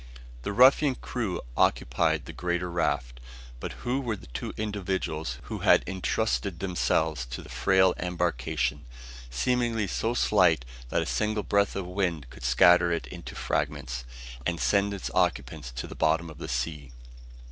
The ruffian crew occupied the greater raft; but who were the two individuals who had intrusted themselves to that frail embarkation, seemingly so slight that a single breath of wind would scatter it into fragments, and send its occupants to the bottom of the sea?